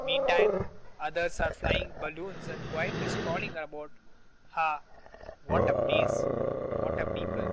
Meantime, others are flying balloons or quietly strolling about. Ah! what a place! what a people!"